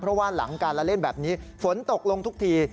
เพราะว่าหลังการละเล่นแบบนี้ฝนตกลงทุกที